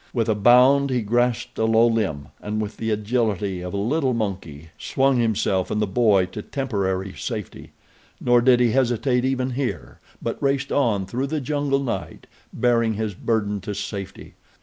With a bound he grasped a low limb, and with the agility of a little monkey swung himself and the boy to temporary safety. Nor did he hesitate even here; but raced on through the jungle night, bearing his burden to safety.